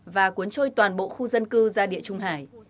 và cuốn trôi toàn bộ khu dân cư ra địa trung hải